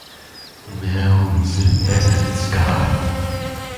Mills and Bennett Scott.